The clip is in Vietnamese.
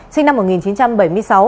sinh năm một nghìn chín trăm bảy mươi sáu